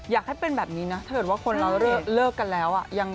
อยากให้เป็นแบบนี้นะถ้าเกิดว่าคนเราเลิกกันแล้ว